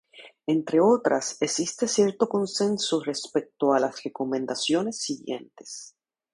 Entre otras, existe cierto consenso respecto a las recomendaciones siguientes.